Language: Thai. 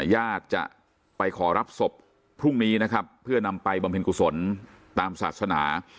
ญาติจะไปขอรับศพพรุ่งนี้นะครับเพื่อนำไปบำเพ็ญกุศลตามศาสนา